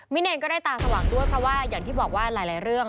เนรก็ได้ตาสว่างด้วยเพราะว่าอย่างที่บอกว่าหลายเรื่อง